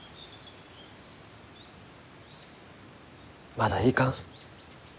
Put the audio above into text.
まだいかん。